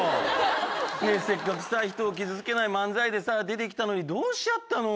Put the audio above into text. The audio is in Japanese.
せっかく人を傷つけない漫才で出て来たのにどうしちゃったの？